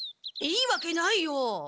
いいわけないよ！